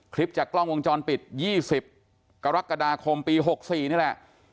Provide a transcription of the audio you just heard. คลิปจากกล้องวงจรปิด๒๐กรกฎาคมปี๖๔นี่แหละ